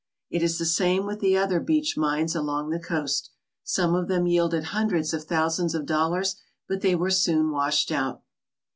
It is the same with the other beach mines along the coast. Some of them yielded hundreds of thousands of dollars, but they were soon washed out.